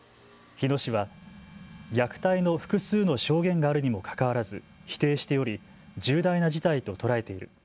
日野市は虐待の複数の証言があるにもかかわらず否定しており重大な事態と捉えている。